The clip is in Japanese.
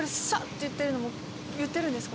て言ってるのも言ってるんですか？